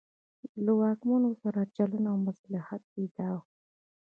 له واکمنو سره چلن او مصلحت یې دا و.